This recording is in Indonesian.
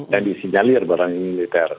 yang disinyalir barang militer